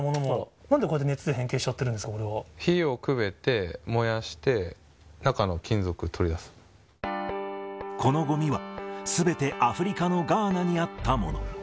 なんで熱で変形しちゃってるんで火をくべて燃やして、このごみは、すべてアフリカのガーナにあったもの。